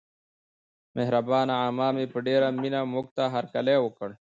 مهربانه عمه مې په ډېره مینه موږته هرکلی وکړ.